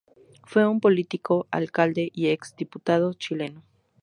Fue un político, alcalde y ex diputado chileno.